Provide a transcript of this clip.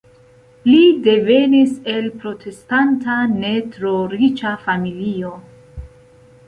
Li devenis el protestanta ne tro riĉa familio.